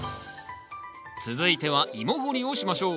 続いてはイモ掘りをしましょう。